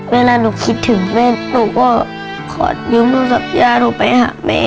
เวลาหนูคิดถึงแม่หนูก็ขอยืมโทรศัพท์ยาหนูไปหาแม่